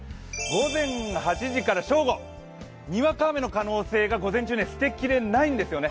午前８時から正午、にわか雨の可能性が午前中、捨てきれないんですよね。